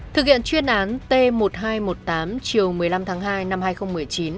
thực hiện chuyên án t một nghìn hai trăm một mươi tám chiều một mươi năm tháng hai năm hai nghìn một mươi chín